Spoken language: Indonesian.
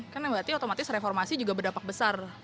kan berarti otomatis reformasi juga berdampak besar